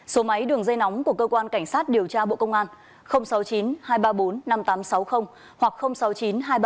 số máy đường dây nóng của cơ quan cảnh sát điều tra bộ công an sáu mươi chín hai trăm ba mươi bốn năm nghìn tám trăm sáu mươi hoặc sáu mươi chín hai trăm ba mươi hai một nghìn sáu trăm sáu mươi bảy